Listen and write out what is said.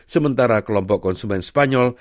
sementara kelompok konsumen spanyol